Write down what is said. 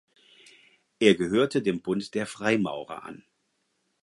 Er gehörte dem Bund der Freimaurer an.